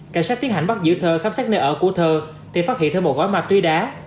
cảnh sát tiến hành bắt giữ thơ khám sát nơi ở cô thơ thì phát hiện thơ một gói ma túy đá